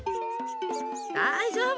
だいじょうぶ。